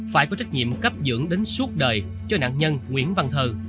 phải có trách nhiệm cấp dưỡng đến suốt đời cho nạn nhân nguyễn văn thơ